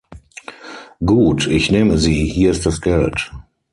Gut, ich nehme sie; hier ist das Geld.